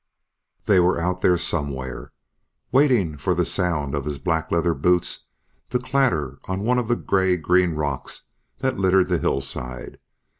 They were out there somewhere, waiting for the sound of his black leather boots to clatter on one of the grey green rocks that littered the hillside.